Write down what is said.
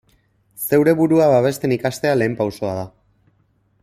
Zeure burua babesten ikastea lehen pausoa da.